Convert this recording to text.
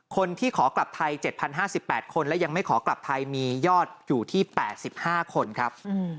คนที่ขอกลับไทย๗๐๕๘คนและยังไม่ขอกลับไทยมียอดอยู่ที่๘๕คนครับ